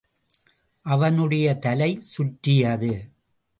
அவனுடைய தலை சுற்றியது.